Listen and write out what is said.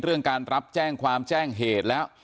เรื่องการรับแจ้งความแจ้งเหตุแล้ว